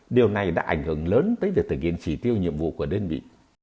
điều này đã ảnh hưởng lớn tới việc thực hiện chỉ tiêu nhiệm vụ của đơn vị